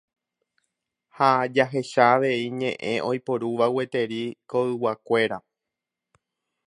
ha jahecha avei ñe'ẽ oiporúva gueteri koyguakuéra.